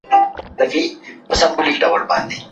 ړنګول مي معبدونه هغه نه یم